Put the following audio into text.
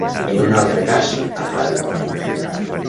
En un altre cas, aclarir-lo.